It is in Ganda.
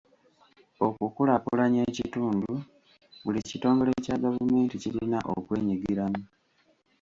Okukulaakulanya ekitundu, buli kitongole kya gavumenti kirina okwenyigiramu.